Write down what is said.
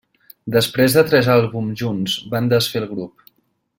Després de tres àlbums junts van desfer el grup.